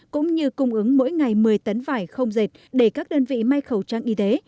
cũng như cung ứng mỗi ngày một mươi tấn vải không dệt để các đơn vị may khẩu trang y tế